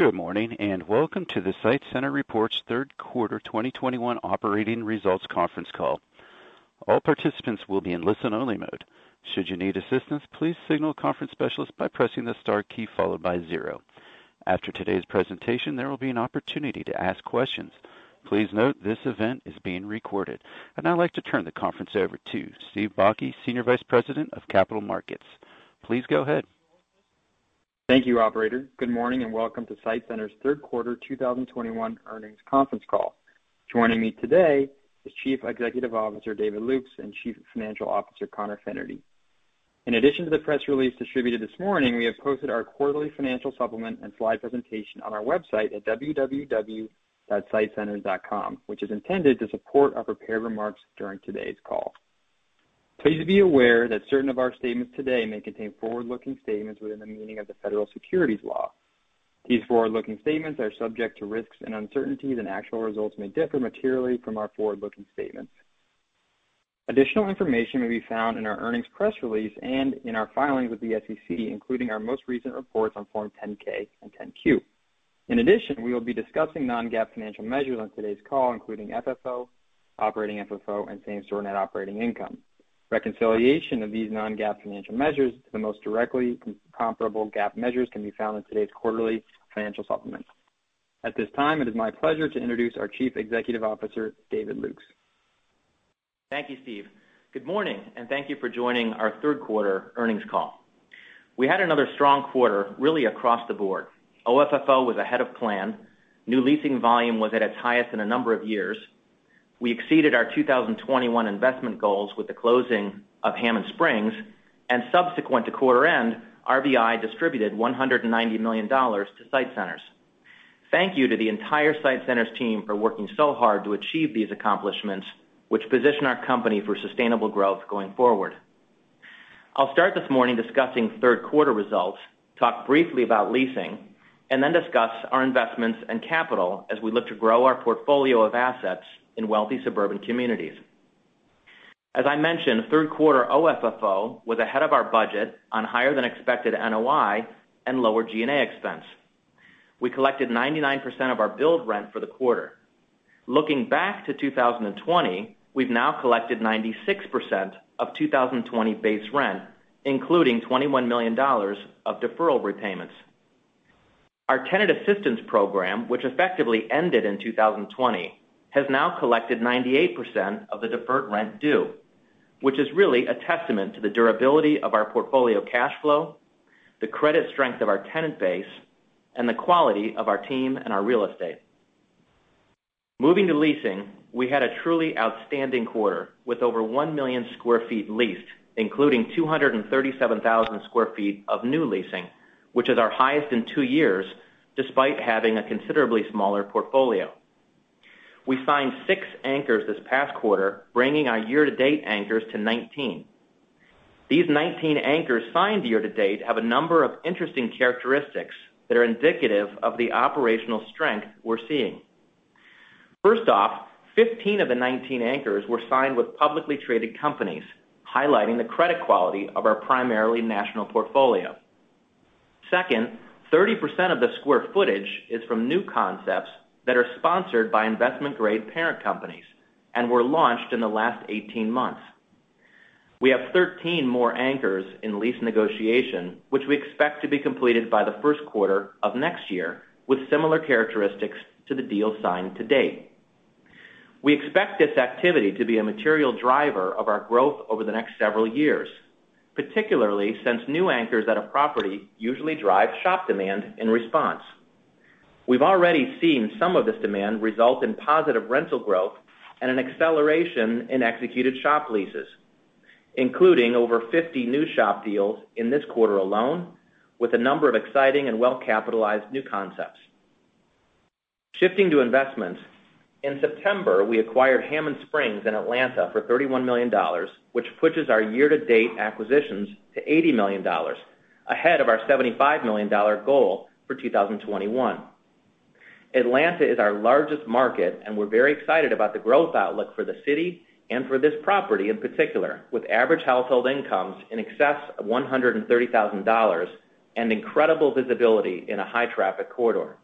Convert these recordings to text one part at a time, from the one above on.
Good morning, and welcome to the SITE Centers Report's third quarter 2021 operating results conference call. All participants will be in listen only mode. Should you need assistance, please signal a conference specialist by pressing the star key followed by zero. After today's presentation, there will be an opportunity to ask questions. Please note this event is being recorded. I'd now like to turn the conference over to Steve Bakke, Senior Vice President of Capital Markets. Please go ahead. Thank you, operator. Good morning and welcome to SITE Centers' third quarter 2021 earnings conference call. Joining me today is Chief Executive Officer, David Lukes, and Chief Financial Officer, Conor Fennerty. In addition to the press release distributed this morning, we have posted our quarterly financial supplement and slide presentation on our website at sitecenters.com, which is intended to support our prepared remarks during today's call. Please be aware that certain of our statements today may contain forward-looking statements within the meaning of the Federal Securities Laws. These forward-looking statements are subject to risks and uncertainties, and actual results may differ materially from our forward-looking statements. Additional information may be found in our earnings press release and in our filings with the SEC, including our most recent reports on Form 10-K and 10-Q. In addition, we will be discussing non-GAAP financial measures on today's call, including FFO, operating FFO and same-store net operating income. Reconciliation of these non-GAAP financial measures to the most directly comparable GAAP measures can be found in today's quarterly financial supplement. At this time, it is my pleasure to introduce our Chief Executive Officer, David Lukes. Thank you, Steve. Good morning, and thank you for joining our third quarter earnings call. We had another strong quarter really across the board. OFFO was ahead of plan. New leasing volume was at its highest in a number of years. We exceeded our 2021 investment goals with the closing of Hammond Springs. Subsequent to quarter end, RVI distributed $190 million to SITE Centers. Thank you to the entire SITE Centers team for working so hard to achieve these accomplishments, which position our company for sustainable growth going forward. I'll start this morning discussing third quarter results, talk briefly about leasing, and then discuss our investments and capital as we look to grow our portfolio of assets in wealthy suburban communities. As I mentioned, third quarter OFFO was ahead of our budget on higher than expected NOI and lower G&A expense. We collected 99% of our billed rent for the quarter. Looking back to 2020, we've now collected 96% of 2020 base rent, including $21 million of deferral repayments. Our tenant assistance program, which effectively ended in 2020, has now collected 98% of the deferred rent due, which is really a testament to the durability of our portfolio cash flow, the credit strength of our tenant base, and the quality of our team and our real estate. Moving to leasing, we had a truly outstanding quarter. With over 1 million sq ft leased, including 237,000 sq ft of new leasing, which is our highest in two years, despite having a considerably smaller portfolio. We signed six anchors this past quarter, bringing our year-to-date anchors to 19. These 19 anchors signed year to date have a number of interesting characteristics that are indicative of the operational strength we're seeing. First off, 15 of the 19 anchors were signed with publicly traded companies, highlighting the credit quality of our primarily national portfolio. Second, 30% of the square footage is from new concepts that are sponsored by investment-grade parent companies and were launched in the last 18 months. We have 13 more anchors in lease negotiation, which we expect to be completed by the first quarter of next year with similar characteristics to the deals signed to date. We expect this activity to be a material driver of our growth over the next several years. Particularly, since new anchors at a property usually drive shop demand in response. We've already seen some of this demand result in positive rental growth and an acceleration in executed shop leases, including over 50 new shop deals in this quarter alone with a number of exciting and well-capitalized new concepts. Shifting to investments. In September, we acquired Hammond Springs in Atlanta for $31 million, which pushes our year-to-date acquisitions to $80 million, ahead of our $75 million goal for 2021. Atlanta is our largest market, and we're very excited about the growth outlook for the city and for this property in particular, with average household incomes in excess of $130,000 and incredible visibility in a high-traffic corridor.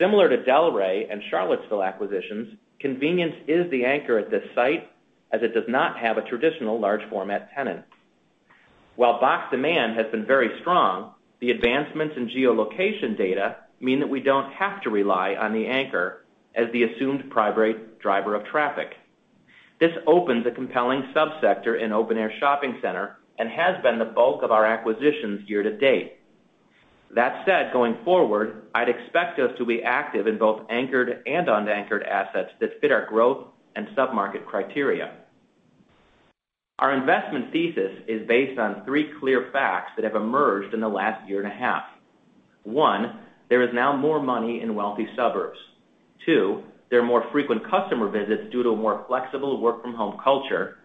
Similar to Delray and Charlottesville acquisitions, convenience is the anchor at this site as it does not have a traditional large format tenant. While box demand has been very strong, the advancements in geolocation data mean that we don't have to rely on the anchor as the assumed primary driver of traffic. This opens a compelling sub-sector in open-air shopping center and has been the bulk of our acquisitions year to date. That said, going forward, I'd expect us to be active in both anchored and unanchored assets that fit our growth and sub-market criteria. Our investment thesis is based on three clear facts that have emerged in the last year and a half. One, there is now more money in wealthy suburbs. Two, there are more frequent customer visits due to a more flexible work from home culture.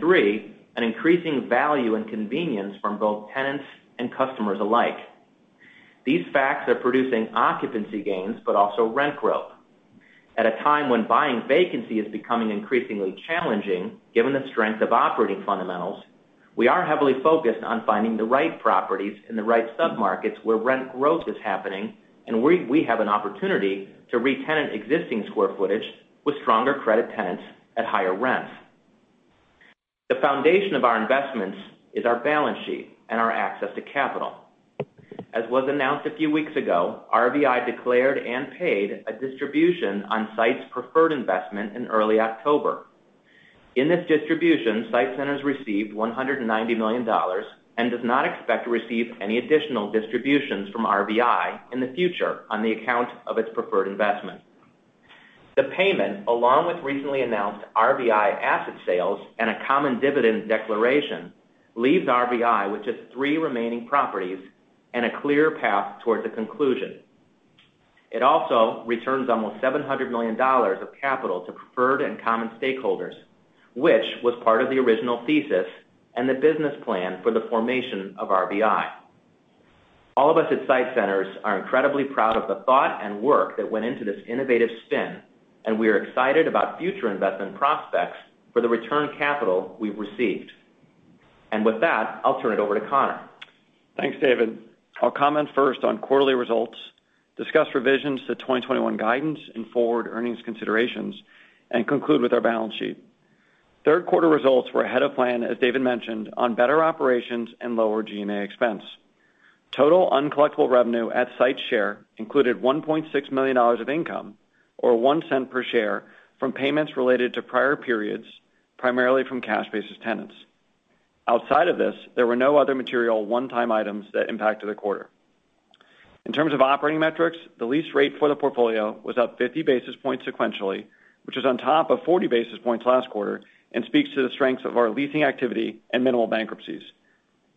Three, an increasing value in convenience from both tenants and customers alike. These facts are producing occupancy gains but also rent growth. At a time when buying vacancy is becoming increasingly challenging, given the strength of operating fundamentals, we are heavily focused on finding the right properties in the right submarkets where rent growth is happening and we have an opportunity to retenant existing square footage with stronger credit tenants at higher rents. The foundation of our investments is our balance sheet and our access to capital. As was announced a few weeks ago, RVI declared and paid a distribution on SITE's preferred investment in early October. In this distribution, SITE Centers received $190 million and does not expect to receive any additional distributions from RVI in the future on the account of its preferred investment. The payment, along with recently announced RVI asset sales and a common dividend declaration, leaves RVI with just three remaining properties and a clear path towards a conclusion. It also returns almost $700 million of capital to preferred and common stakeholders, which was part of the original thesis and the business plan for the formation of RVI. All of us at SITE Centers are incredibly proud of the thought and work that went into this innovative spin, and we are excited about future investment prospects for the return capital we've received. With that, I'll turn it over to Conor. Thanks, David. I'll comment first on quarterly results, discuss revisions to 2021 guidance and forward earnings considerations, and conclude with our balance sheet. Third quarter results were ahead of plan, as David mentioned, on better operations and lower G&A expense. Total uncollectible revenue at SITE's share included $1.6 million of income, or $0.01 per share, from payments related to prior periods, primarily from cash-basis tenants. Outside of this, there were no other material one-time items that impacted the quarter. In terms of operating metrics, the lease rate for the portfolio was up 50 basis points sequentially, which is on top of 40 basis points last quarter and speaks to the strength of our leasing activity and minimal bankruptcies.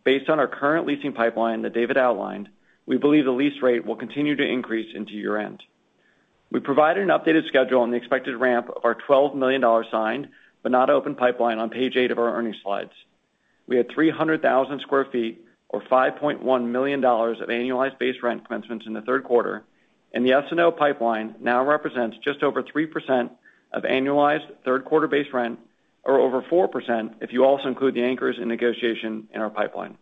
Based on our current leasing pipeline that David outlined, we believe the lease rate will continue to increase into year-end. We provided an updated schedule on the expected ramp of our $12 million signed, but not open pipeline on page eight of our earnings slides. We had 300,000 sq ft or $5.1 million of annualized base rent commencements in the third quarter. The SNO pipeline now represents just over 3% of annualized third quarter base rent or over 4% if you also include the anchors in negotiation in our pipeline.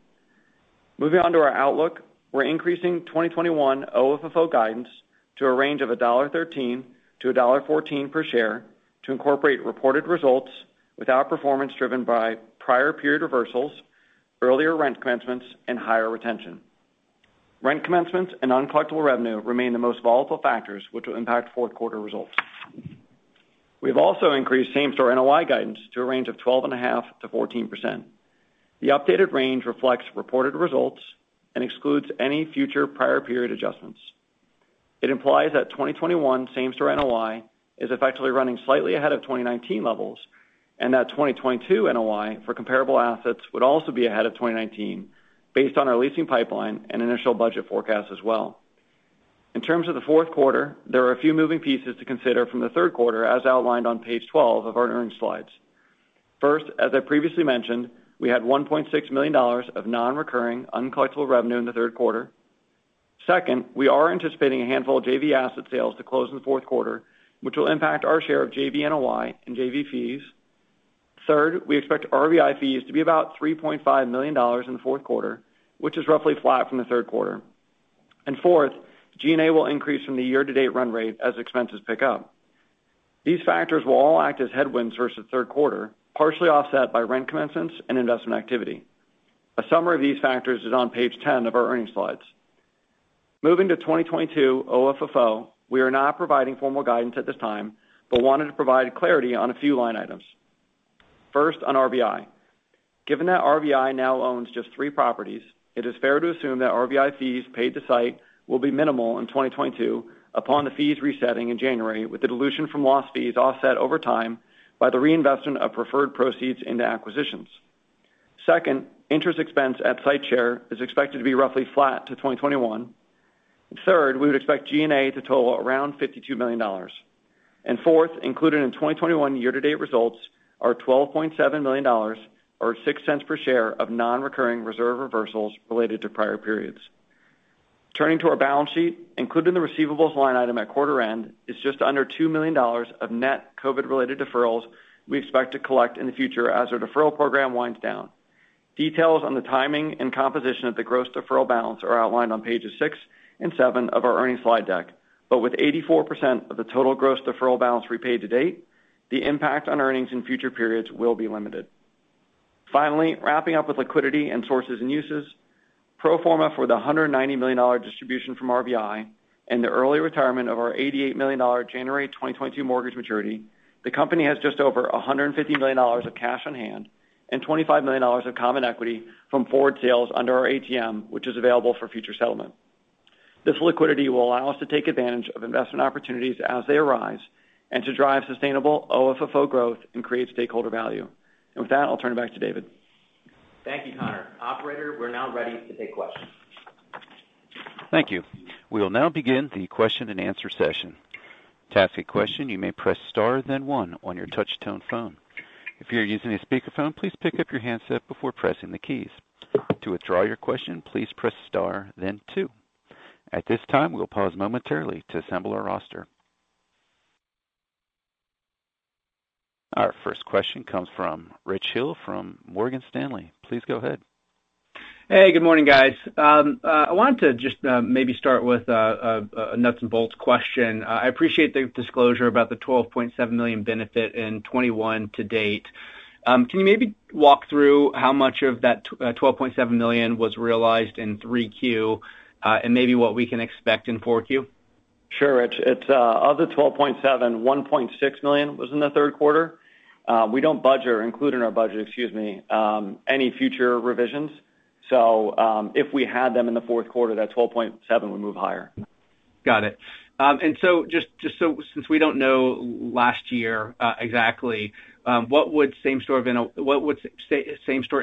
Moving on to our outlook, we're increasing 2021 OFFO guidance to a range of $1.13-$1.14 per share to incorporate reported results with our performance driven by prior period reversals, earlier rent commencements, and higher retention. Rent commencements and uncollectible revenue remain the most volatile factors which will impact fourth quarter results. We've also increased same-store NOI guidance to a range of 12.5%-14%. The updated range reflects reported results and excludes any future prior period adjustments. It implies that 2021 same-store NOI is effectively running slightly ahead of 2019 levels, and that 2022 NOI for comparable assets would also be ahead of 2019 based on our leasing pipeline and initial budget forecast as well. In terms of the fourth quarter, there are a few moving pieces to consider from the third quarter as outlined on page 12 of our earnings slides. First, as I previously mentioned, we had $1.6 million of non-recurring, uncollectible revenue in the third quarter. Second, we are anticipating a handful of JV asset sales to close in the fourth quarter, which will impact our share of JV NOI and JV fees. Third, we expect RVI fees to be about $3.5 million in the fourth quarter, which is roughly flat from the third quarter. Fourth, G&A will increase from the year-to-date run rate as expenses pick up. These factors will all act as headwinds versus third quarter, partially offset by rent commencements and investment activity. A summary of these factors is on page 10 of our earnings slides. Moving to 2022 OFFO, we are not providing formal guidance at this time, but wanted to provide clarity on a few line items. First, on RVI. Given that RVI now owns just three properties, it is fair to assume that RVI fees paid to SITE will be minimal in 2022 upon the fees resetting in January with the dilution from loss fees offset over time by the reinvestment of preferred proceeds into acquisitions. Second, interest expense at SITE share is expected to be roughly flat to 2021. Third, we would expect G&A to total around $52 million. Fourth, included in 2021 year-to-date results are $12.7 million, or $0.06 per share of non-recurring reserve reversals related to prior periods. Turning to our balance sheet, included in the receivables line item at quarter-end is just under $2 million of net COVID-related deferrals we expect to collect in the future as our deferral program winds down. Details on the timing and composition of the gross deferral balance are outlined on pages six and seven of our earnings slide deck. With 84% of the total gross deferral balance repaid to date, the impact on earnings in future periods will be limited. Finally, wrapping up with liquidity and sources and uses, pro forma for the $190 million distribution from RVI and the early retirement of our $88 million January 2022 mortgage maturity, the company has just over $115 million of cash on hand and $25 million of common equity from forward sales under our ATM, which is available for future settlement. This liquidity will allow us to take advantage of investment opportunities as they arise and to drive sustainable OFFO growth and create stakeholder value. With that, I'll turn it back to David. Thank you, Conor. Operator, we're now ready to take questions. Thank you. We will now begin the question-and-answer session. To ask a question, you may press star then one on your touch tone phone. If you're using a speaker phone, please pick up your handset before pressing the keys. To withdraw your question, please press star then two. At this time, we'll pause momentarily to assemble our roster. Our first question comes from Rich Hill from Morgan Stanley. Please go ahead. Hey, good morning, guys. I wanted to just maybe start with a nuts and bolts question. I appreciate the disclosure about the $12.7 million benefit in 2021 to date. Can you maybe walk through how much of that $12.7 million was realized in 3Q, and maybe what we can expect in 4Q? Sure, Rich. Of the $12.7 million, $1.6 million was in the third quarter. We don't include in our budget, excuse me, any future revisions. If we had them in the fourth quarter, that $12.7 million would move higher. Got it. Since we don't know last year exactly, what would same-store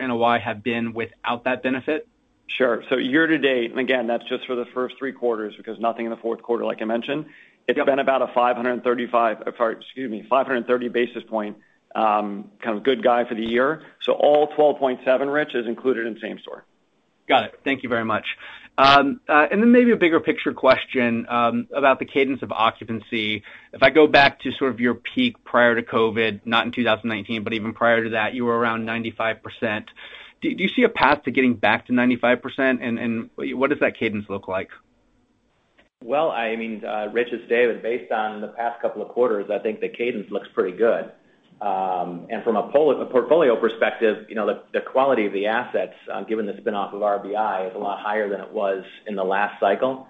NOI have been without that benefit? Sure. Year to date, and again, that's just for the first three quarters, because nothing in the 4th quarter, like I mentioned. Yep. It's been about a 530 basis point, kind of good guy for the year. All $12.7 million, Rich, is included in same-store. Got it. Thank you very much. Maybe a bigger picture question about the cadence of occupancy. If I go back to sort of your peak prior to COVID, not in 2019, but even prior to that, you were around 95%. Do you see a path to getting back to 95%? What does that cadence look like? Well, Rich, as David based on the past couple of quarters, I think the cadence looks pretty good. From a portfolio perspective, the quality of the assets, given the spin-off of RVI, is a lot higher than it was in the last cycle.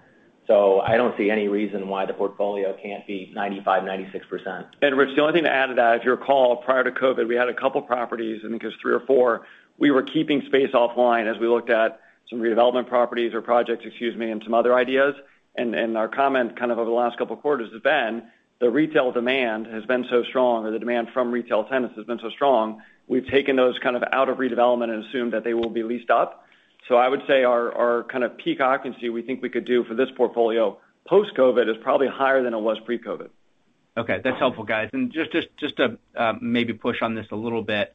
I don't see any reason why the portfolio can't be 95%-96%. Rich, the only thing to add to that, if you recall, prior to COVID, we had a couple properties, I think it was three or four. We were keeping space offline as we looked at some redevelopment properties or projects, excuse me, and some other ideas. Our comment kind of over the last couple of quarters has been, the retail demand has been so strong or the demand from retail tenants has been so strong, we've taken those kind of out of redevelopment and assumed that they will be leased up. I would say our kind of peak occupancy we think we could do for this portfolio post-COVID is probably higher than it was pre-COVID. Okay. That's helpful, guys. Just to maybe push on this a little bit.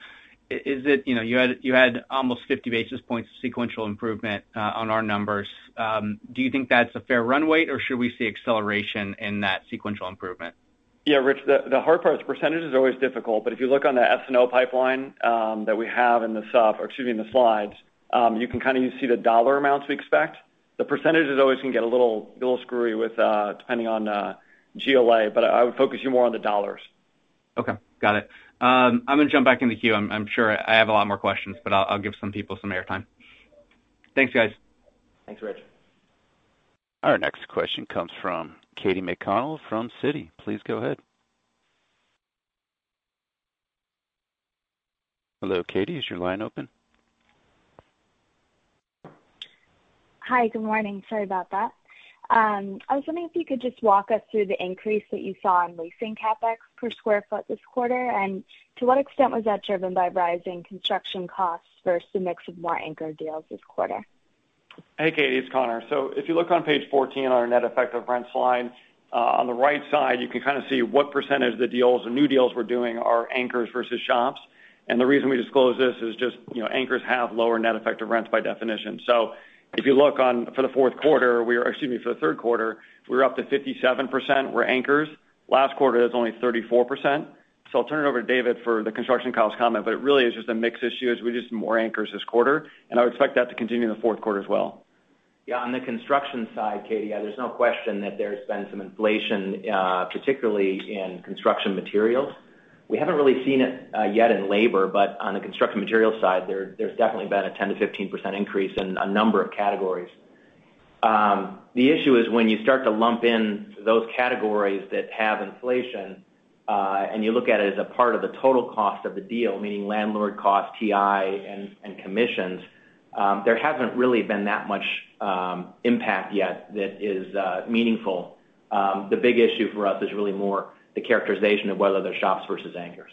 You had almost 50 basis points of sequential improvement on our numbers. Do you think that's a fair run rate, or should we see acceleration in that sequential improvement? Rich, the hard part is percentages are always difficult, but if you look on the S&O pipeline that we have in the sup or excuse me, in the slides, you can kind of see the dollar amounts we expect. The percentages always can get a little screwy with depending on GLA, but I would focus you more on the dollars. Okay. Got it. I'm going to jump back in the queue. I'm sure I have a lot more questions, but I'll give some people some air time. Thanks, guys. Thanks, Rich. Our next question comes from Katy McConnell from Citi. Please go ahead. Hello, Katy, is your line open? Hi. Good morning. Sorry about that. I was wondering if you could just walk us through the increase that you saw in leasing CapEx per square foot this quarter, and to what extent was that driven by rising construction costs versus a mix of more anchor deals this quarter? Hey, Katy, it's Conor. If you look on page 14 on our net effective rents line, on the right side, you can kind of see what percentage of the deals or new deals we're doing are anchors versus shops. The reason we disclose this is just anchors have lower net effective rents by definition. If you look for the fourth quarter, we are excuse me, for the third quarter, we were up to 57% were anchors. Last quarter, it was only 34%. I'll turn it over to David for the construction cost comment, but it really is just a mix issue as we did some more anchors this quarter, and I would expect that to continue in the fourth quarter as well. Yeah. On the construction side, Katy, there's no question that there's been some inflation, particularly in construction materials. We haven't really seen it yet in labor, on the construction material side, there's definitely been a 10%-15% increase in a number of categories. The issue is when you start to lump in those categories that have inflation, you look at it as a part of the total cost of the deal, meaning landlord cost, TI, and commissions, there hasn't really been that much impact yet that is meaningful. The big issue for us is really more the characterization of whether they're shops versus anchors.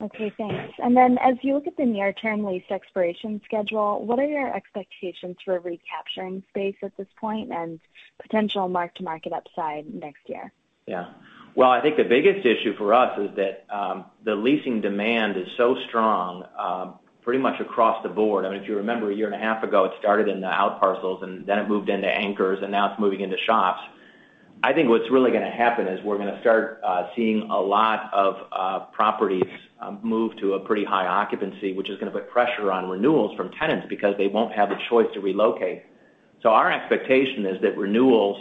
Okay, thanks. As you look at the near-term lease expiration schedule, what are your expectations for recapturing space at this point and potential mark-to-market upside next year? Yeah. Well, I think the biggest issue for us is that the leasing demand is so strong pretty much across the board. If you remember, a year and a half ago, it started in the outparcels, and then it moved into anchors, and now it's moving into shops. I think what's really going to happen is we're going to start seeing a lot of properties move to a pretty high occupancy, which is going to put pressure on renewals from tenants because they won't have the choice to relocate. Our expectation is that renewals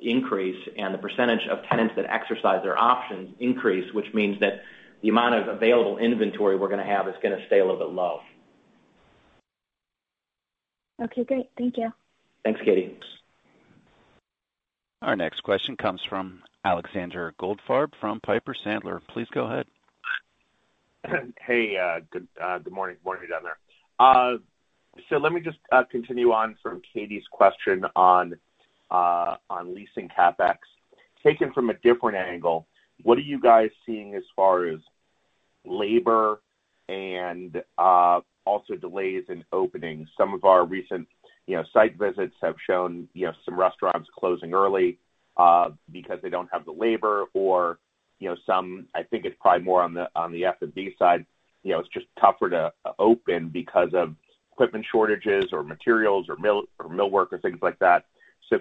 increase and the percentage of tenants that exercise their options increase, which means that the amount of available inventory we're going to have is going to stay a little bit low. Okay, great. Thank you. Thanks, Katy. Our next question comes from Alexander Goldfarb from Piper Sandler. Please go ahead. Hey. Good morning. Morning down there. Let me just continue on from Katy's question on leasing CapEx. Taken from a different angle, what are you guys seeing as far as labor and also delays in opening. Some of our recent site visits have shown some restaurants closing early because they don't have the labor or some, I think it's probably more on the F&B side, it's just tougher to open because of equipment shortages or materials or millwork or things like that.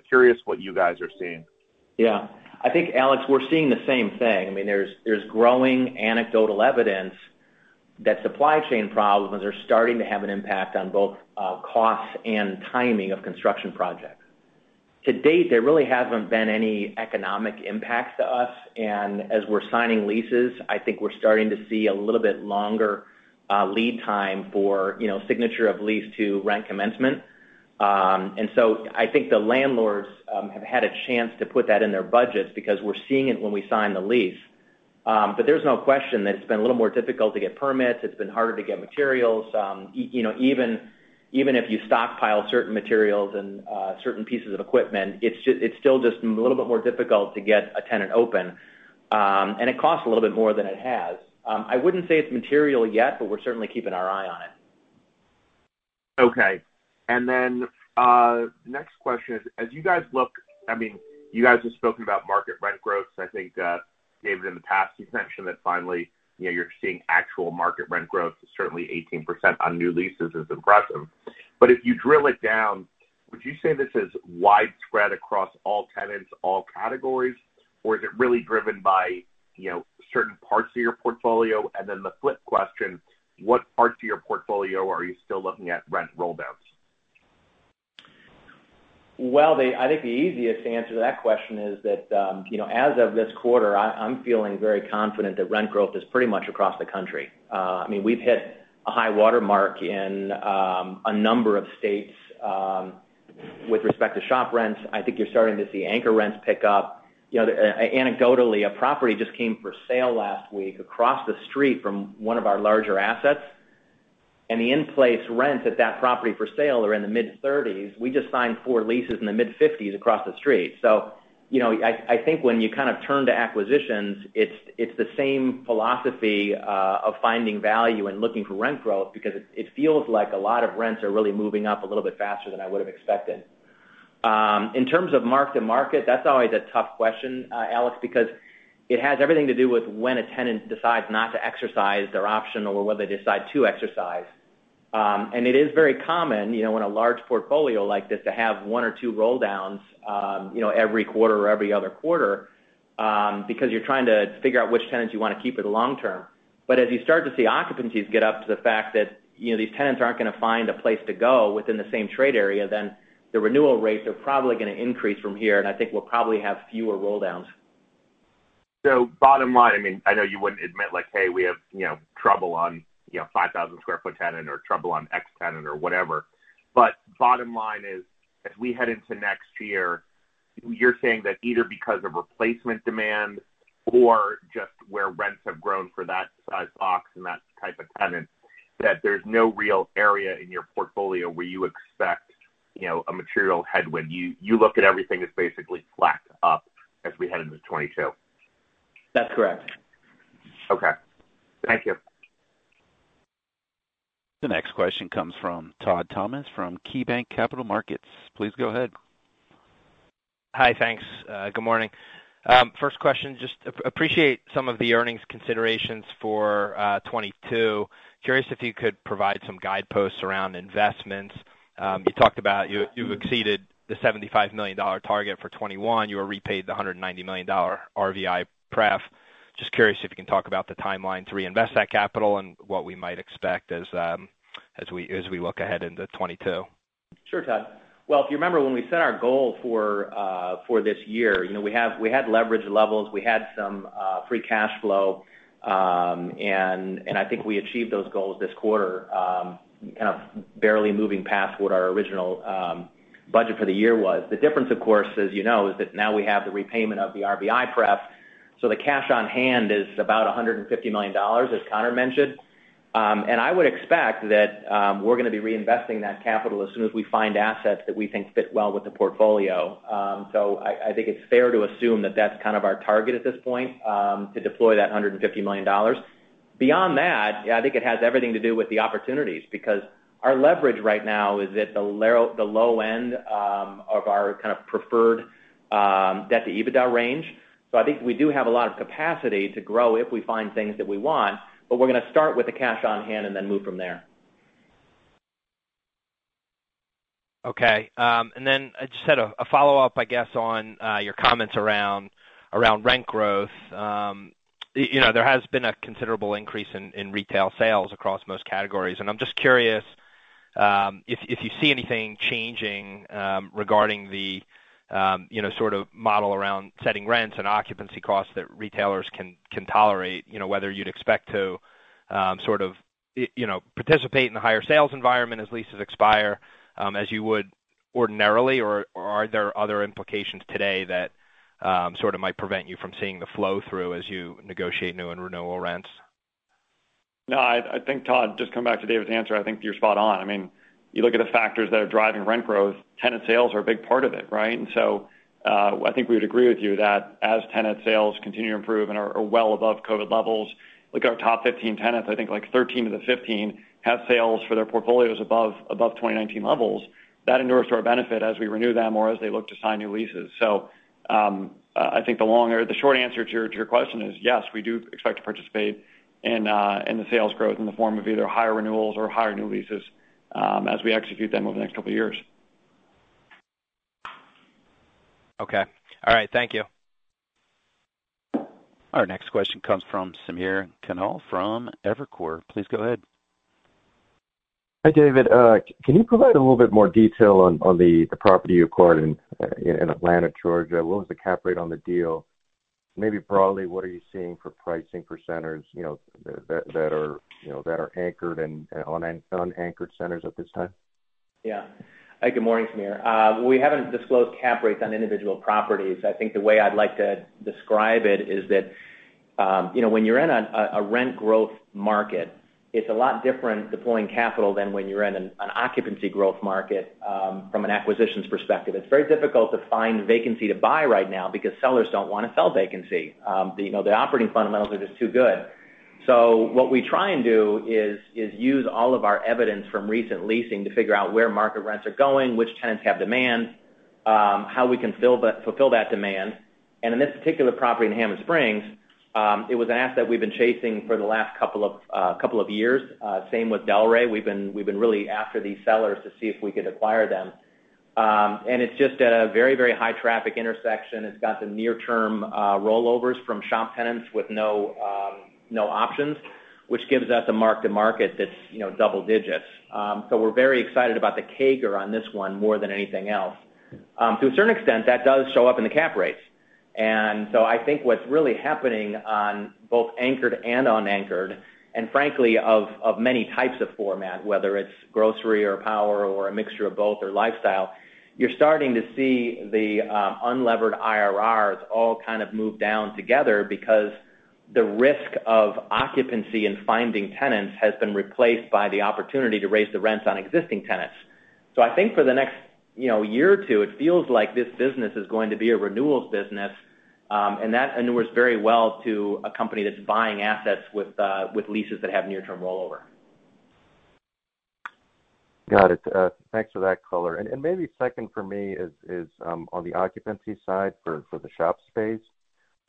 Curious what you guys are seeing. Yeah. I think, Alex, we're seeing the same thing. There's growing anecdotal evidence that supply chain problems are starting to have an impact on both costs and timing of construction projects. To date, there really hasn't been any economic impact to us, and as we're signing leases, I think we're starting to see a little bit longer lead time for signature of lease to rent commencement. I think the landlords have had a chance to put that in their budgets because we're seeing it when we sign the lease. There's no question that it's been a little more difficult to get permits. It's been harder to get materials. Even if you stockpile certain materials and certain pieces of equipment, it's still just a little bit more difficult to get a tenant open. It costs a little bit more than it has. I wouldn't say it's material yet, but we're certainly keeping our eye on it. Okay. Next question is, as you guys have spoken about market rent growth. I think, David, in the past, you've mentioned that finally, you're seeing actual market rent growth. Certainly 18% on new leases is impressive. If you drill it down, would you say this is widespread across all tenants, all categories, or is it really driven by certain parts of your portfolio? The flip question, what parts of your portfolio are you still looking at rent rolldowns? Well, I think the easiest answer to that question is that as of this quarter, I'm feeling very confident that rent growth is pretty much across the country. We've hit a high water mark in a number of states with respect to shop rents. I think you're starting to see anchor rents pick up. Anecdotally, a property just came for sale last week across the street from one of our larger assets, and the in-place rents at that property for sale are in the mid-30s. We just signed four leases in the mid-50s across the street. I think when you kind of turn to acquisitions, it's the same philosophy of finding value and looking for rent growth because it feels like a lot of rents are really moving up a little bit faster than I would've expected. In terms of mark-to-market, that's always a tough question, Alex, because it has everything to do with when a tenant decides not to exercise their option or whether they decide to exercise. It is very common in a large portfolio like this to have one or two rolldowns every quarter or every other quarter, because you're trying to figure out which tenants you want to keep for the long term. As you start to see occupancies get up to the fact that these tenants aren't going to find a place to go within the same trade area, then the renewal rates are probably going to increase from here, and I think we'll probably have fewer rolldowns. Bottom line, I know you wouldn't admit like, hey, we have trouble on 5,000 sq ft tenant or trouble on X tenant or whatever. Bottom line is, as we head into next year, you're saying that either because of replacement demand or just where rents have grown for that size box and that type of tenant, that there's no real area in your portfolio where you expect a material headwind. You look at everything as basically flat to up as we head into 2022. That's correct. Okay. Thank you. The next question comes from Todd Thomas from KeyBanc Capital Markets. Please go ahead. Hi, thanks. Good morning. First question, just appreciate some of the earnings considerations for 2022. Curious if you could provide some guideposts around investments. You talked about you've exceeded the $75 million target for 2021. You repaid the $190 million RVI pref. Just curious if you can talk about the timeline to reinvest that capital and what we might expect as we look ahead into 2022. Sure, Todd. Well, if you remember when we set our goal for this year, we had leverage levels, we had some free cash flow, and I think we achieved those goals this quarter, kind of barely moving past what our original budget for the year was. The difference, of course, as you know, is that now we have the repayment of the RVI pref. The cash on hand is about $150 million, as Conor mentioned. I would expect that we're going to be reinvesting that capital as soon as we find assets that we think fit well with the portfolio. I think it's fair to assume that that's kind of our target at this point, to deploy that $150 million. Beyond that, I think it has everything to do with the opportunities, because our leverage right now is at the low end of our kind of preferred debt-to-EBITDA range. I think we do have a lot of capacity to grow if we find things that we want, but we're going to start with the cash on hand and then move from there. Okay. Then just had a follow-up, I guess, on your comments around rent growth. There has been a considerable increase in retail sales across most categories. I'm just curious if you see anything changing regarding the sort of model around setting rents and occupancy costs that retailers can tolerate, whether you'd expect to sort of participate in the higher sales environment as leases expire as you would ordinarily, or are there other implications today that sort of might prevent you from seeing the flow through as you negotiate new and renewal rents? I think, Todd, just coming back to David's answer, I think you're spot on. Look at the factors that are driving rent growth, tenant sales are a big part of it, right? I think we would agree with you that as tenant sales continue to improve and are well above COVID levels, look at our top 15 tenants, I think 13 of the 15 have sales for their portfolios above 2019 levels. That endures to our benefit as we renew them or as they look to sign new leases. I think the short answer to your question is yes, we do expect to participate in the sales growth in the form of either higher renewals or higher new leases, as we execute them over the next couple of years. Okay. All right. Thank you. Our next question comes from Samir Khanal from Evercore. Please go ahead. Hi, David. Can you provide a little bit more detail on the property you acquired in Atlanta, Georgia? What was the cap rate on the deal? Maybe broadly, what are you seeing for pricing for centers that are anchored and unanchored centers at this time? Yeah. Good morning, Samir. We haven't disclosed cap rates on individual properties. I think the way I'd like to describe it is that when you're in a rent growth market, it's a lot different deploying capital than when you're in an occupancy growth market from an acquisitions perspective. It's very difficult to find vacancy to buy right now because sellers don't want to sell vacancy. The operating fundamentals are just too good. What we try and do is use all of our evidence from recent leasing to figure out where market rents are going, which tenants have demand, how we can fulfill that demand. In this particular property in Hammond Springs, it was an asset we've been chasing for the last couple of years. Same with Delray. We've been really after these sellers to see if we could acquire them. It's just at a very high traffic intersection. It's got some near-term rollovers from shop tenants with no options, which gives us a mark-to-market that's double digits. We're very excited about the CAGR on this one more than anything else. To a certain extent, that does show up in the cap rates. I think what's really happening on both anchored and unanchored, and frankly, of many types of format, whether it's grocery or power or a mixture of both or lifestyle, you're starting to see the unlevered IRRs all kind of move down together because the risk of occupancy and finding tenants has been replaced by the opportunity to raise the rents on existing tenants. I think for the next year or two, it feels like this business is going to be a renewals business. That endures very well to a company that's buying assets with leases that have near-term rollover. Got it. Thanks for that color. Maybe second for me is on the occupancy side for the shop space.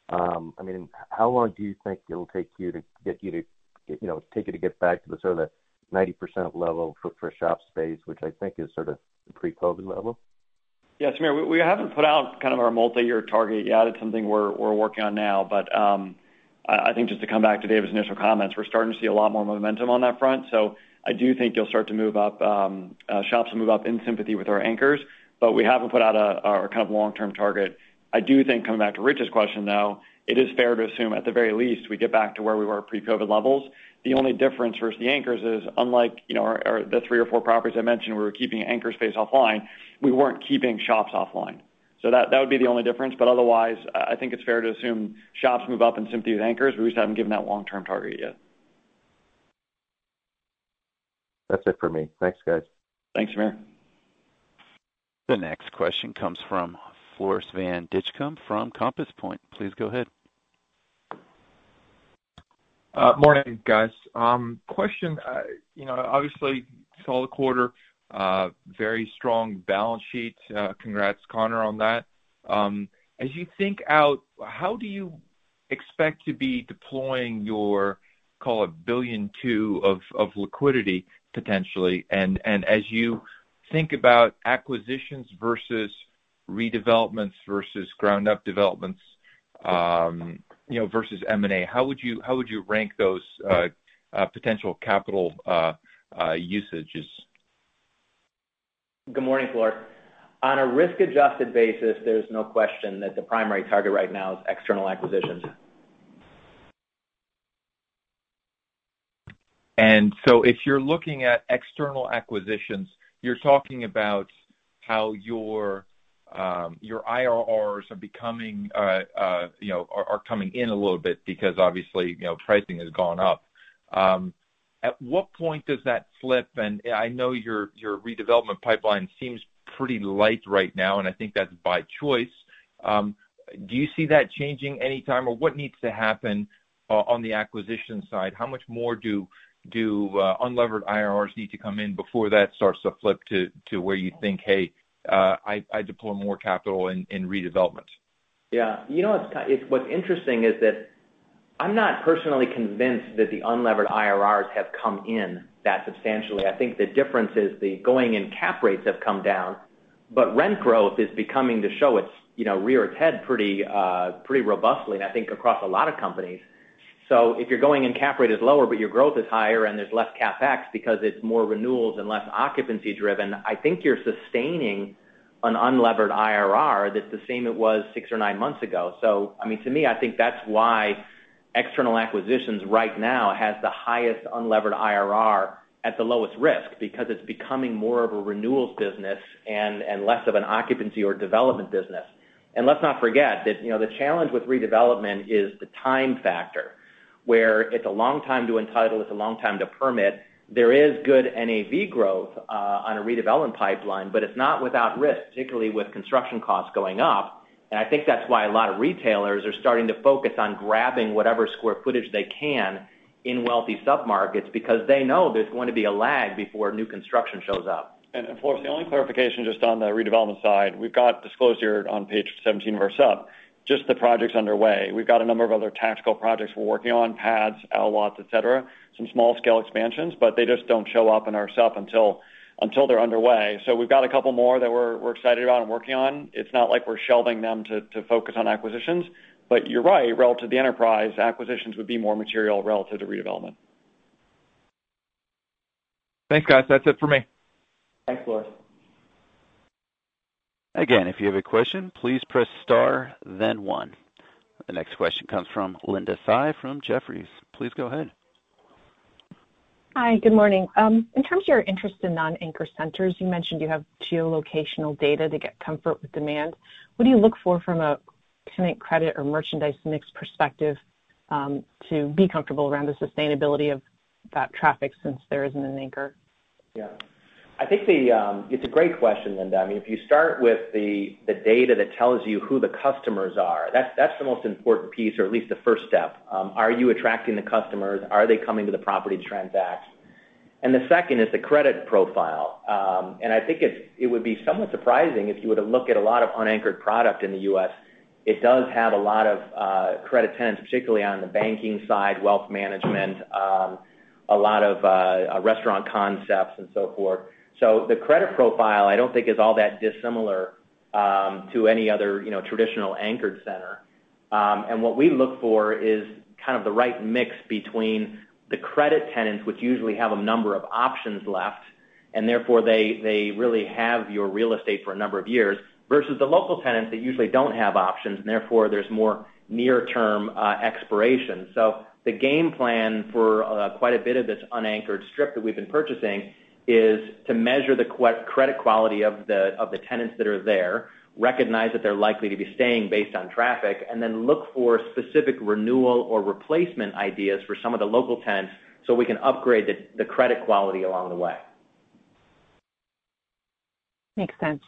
How long do you think it'll take you to get back to the sort of the 90% level for shop space, which I think is sort of the pre-COVID level? Samir, we haven't put out kind of our multi-year target yet. It's something we're working on now. I think just to come back to David's initial comments, we're starting to see a lot more momentum on that front. I do think you'll start to move up, shops will move up in sympathy with our anchors, but we haven't put out a kind of long-term target. I do think coming back to Rich's question, though, it is fair to assume at the very least, we get back to where we were pre-COVID levels. The only difference versus the anchors is unlike the three or four properties I mentioned, where we're keeping anchor space offline, we weren't keeping shops offline. That would be the only difference. Otherwise, I think it's fair to assume shops move up in sympathy with anchors. We just haven't given that long-term target yet. That's it for me. Thanks, guys. Thanks, Samir. The next question comes from Floris van Dijkum from Compass Point. Please go ahead. Morning, guys. Question, obviously, solid quarter, very strong balance sheet. Congrats, Conor, on that. As you think out, how do you expect to be deploying your, call it, $1.2 billion of liquidity potentially? As you think about acquisitions versus redevelopments versus ground-up developments versus M&A, how would you rank those potential capital usages? Good morning, Floris. On a risk-adjusted basis, there's no question that the primary target right now is external acquisitions. If you're looking at external acquisitions, you're talking about how your IRRs are coming in a little bit because obviously, pricing has gone up. At what point does that flip? I know your redevelopment pipeline seems pretty light right now, and I think that's by choice. Do you see that changing any time, or what needs to happen on the acquisition side? How much more do unlevered IRRs need to come in before that starts to flip to where you think, "Hey, I deploy more capital in redevelopments. Yeah. What's interesting is that I'm not personally convinced that the unlevered IRRs have come in that substantially. I think the difference is the going-in cap rates have come down, but rent growth is becoming to show its rear its head pretty robustly, and I think across a lot of companies. If your going-in cap rate is lower, but your growth is higher and there's less CapEx because it's more renewals and less occupancy-driven, I think you're sustaining an unlevered IRR that's the same it was six or nine months ago. To me, I think that's why external acquisitions right now has the highest unlevered IRR at the lowest risk because it's becoming more of a renewals business and less of an occupancy or development business. Let's not forget that the challenge with redevelopment is the time factor, where it's a long time to entitle, it's a long time to permit. There is good NAV growth on a redevelopment pipeline, but it's not without risk, particularly with construction costs going up. I think that's why a lot of retailers are starting to focus on grabbing whatever square footage they can in wealthy sub-markets, because they know there's going to be a lag before new construction shows up. Floris, the only clarification just on the redevelopment side, we've got disclosed here on page 17 of our SUP, just the projects underway. We've got a number of other tactical projects we're working on, pads, outlots, et cetera, some small scale expansions, but they just don't show up in our SUP until they're underway. We've got a couple more that we're excited about and working on. It's not like we're shelving them to focus on acquisitions. You're right, relative to enterprise, acquisitions would be more material relative to redevelopment. Thanks, guys. That's it for me. Thanks, Floris. Again, if you have a question, please press star then one. The next question comes from Linda Tsai from Jefferies. Please go ahead. Hi. Good morning. In terms of your interest in non-anchor centers, you mentioned you have geolocational data to get comfort with demand. What do you look for from a tenant credit or merchandise mix perspective, to be comfortable around the sustainability of that traffic since there isn't an anchor? Yeah. I think it's a great question, Linda. If you start with the data that tells you who the customers are, that's the most important piece or at least the first step. Are you attracting the customers? Are they coming to the property to transact? The second is the credit profile. I think it would be somewhat surprising if you were to look at a lot of unanchored product in the U.S. It does have a lot of credit tenants, particularly on the banking side, wealth management, a lot of restaurant concepts and so forth. The credit profile, I don't think, is all that dissimilar to any other traditional anchored center. What we look for is kind of the right mix between the credit tenants, which usually have a number of options left, and therefore they really have your real estate for a number of years, versus the local tenants that usually don't have options, and therefore there's more near-term expiration. The game plan for quite a bit of this unanchored strip that we've been purchasing is to measure the credit quality of the tenants that are there, recognize that they're likely to be staying based on traffic, and then look for specific renewal or replacement ideas for some of the local tenants so we can upgrade the credit quality along the way. Makes sense.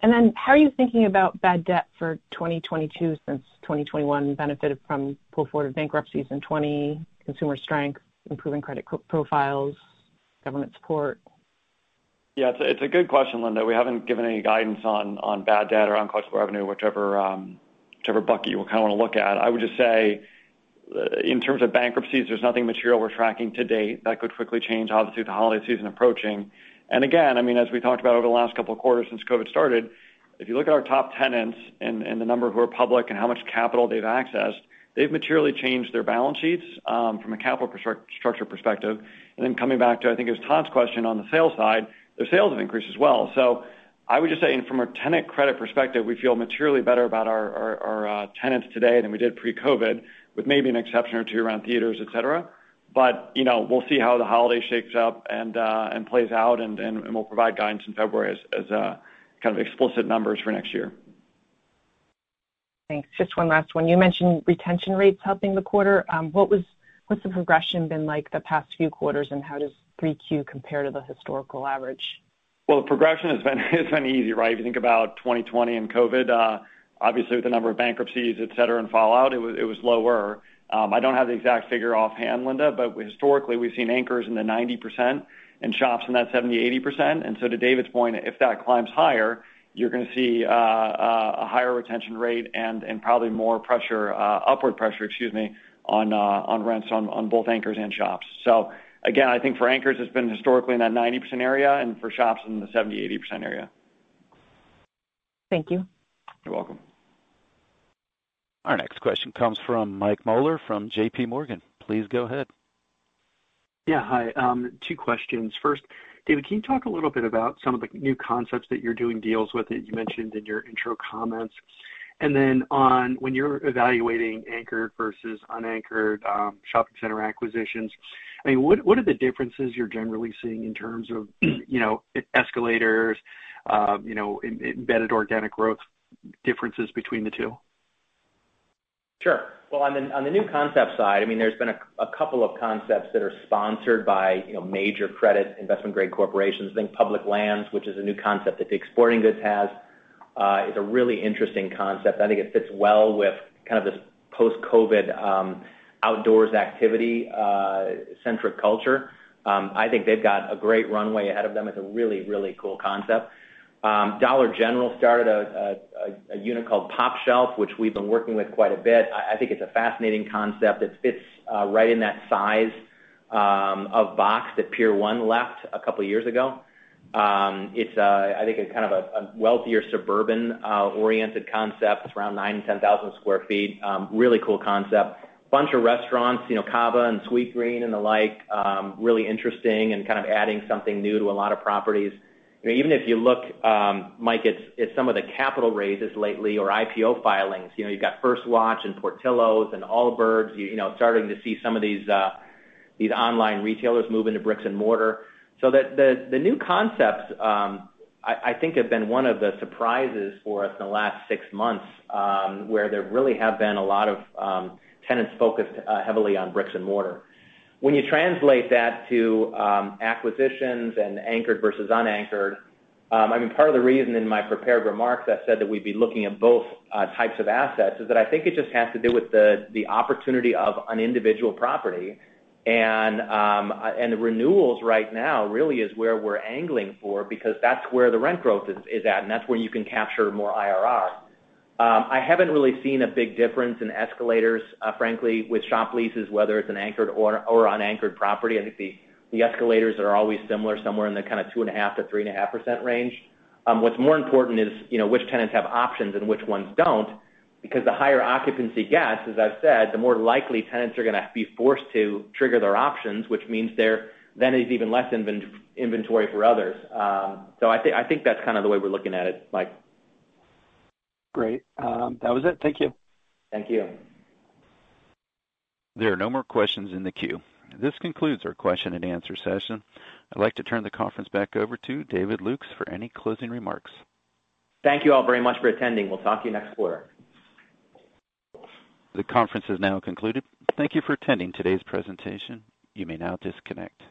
How are you thinking about bad debt for 2022 since 2021 benefited from pull-forward of bankruptcies in 2020, consumer strength, improving credit profiles, government support? Yeah. It's a good question, Linda. We haven't given any guidance on bad debt or uncollectible revenue, whichever bucket you kind of want to look at. I would just say, in terms of bankruptcies, there's nothing material we're tracking to date. That could quickly change, obviously, with the holiday season approaching. Again, as we talked about over the last couple of quarters since COVID started, if you look at our top tenants and the number who are public and how much capital they've accessed, they've materially changed their balance sheets from a capital structure perspective. Then coming back to, I think it was Todd's question on the sales side, their sales have increased as well. I would just say from a tenant credit perspective, we feel materially better about our tenants today than we did pre-COVID, with maybe an exception or two around theaters, et cetera. We'll see how the holiday shapes up and plays out, and we'll provide guidance in February as kind of explicit numbers for next year. Thanks. Just one last one. You mentioned retention rates helping the quarter. What's the progression been like the past few quarters, and how does 3Q compare to the historical average? Well, the progression has been easy, right? If you think about 2020 and COVID, obviously with the number of bankruptcies, et cetera, and fallout, it was lower. I don't have the exact figure offhand, Linda, but historically, we've seen anchors in the 90% and shops in that 70%-80%. To David's point, if that climbs higher, you're going to see a higher retention rate and probably more upward pressure on rents on both anchors and shops. Again, I think for anchors, it's been historically in that 90% area, and for shops in the 70%, 80% area. Thank you. You're welcome. Our next question comes from Mike Mueller from JPMorgan. Please go ahead. Yeah. Hi. Two questions. First, David, can you talk a little bit about some of the new concepts that you're doing deals with that you mentioned in your intro comments? Then when you're evaluating anchored versus unanchored shopping center acquisitions, what are the differences you're generally seeing in terms of escalators, embedded organic growth differences between the two? Sure. Well, on the new concept side, there's been a couple of concepts that are sponsored by major credit investment grade corporations. I think Public Lands, which is a new concept that DICK'S Sporting Goods has, is a really interesting concept. I think it fits well with kind of this post-COVID outdoors activity centric culture. I think they've got a great runway ahead of them. It's a really cool concept. Dollar General started a unit called pOpshelf, which we've been working with quite a bit. I think it's a fascinating concept. It fits right in that size of box that Pier 1 left a couple of years ago. It's, I think, a kind of a wealthier suburban oriented concept. It's around 9,000, 10,000 sq ft. Really cool concept. Bunch of restaurants, Cava and Sweetgreen and the like. Really interesting and kind of adding something new to a lot of properties. Even if you look, Mike, at some of the capital raises lately or IPO filings. You've got First Watch and Portillo's and Allbirds. Starting to see some of these online retailers move into bricks and mortar. The new concepts, I think, have been one of the surprises for us in the last six months, where there really have been a lot of tenants focused heavily on bricks and mortar. When you translate that to acquisitions and anchored versus unanchored, part of the reason in my prepared remarks I said that we'd be looking at both types of assets is that I think it just has to do with the opportunity of an individual property. Renewals right now really is where we're angling for, because that's where the rent growth is at, and that's where you can capture more IRR. I haven't really seen a big difference in escalators, frankly, with shop leases, whether it's an anchored or unanchored property. I think the escalators are always similar, somewhere in the kind of 2.5% to 3.5% range. What's more important is which tenants have options and which ones don't, because the higher occupancy gets, as I've said, the more likely tenants are going to be forced to trigger their options, which means there then is even less inventory for others. I think that's kind of the way we're looking at it, Mike. Great. That was it. Thank you. Thank you. There are no more questions in the queue. This concludes our question and answer session. I'd like to turn the conference back over to David Lukes for any closing remarks. Thank you all very much for attending. We'll talk to you next quarter. The conference has now concluded. Thank you for attending today's presentation. You may now disconnect.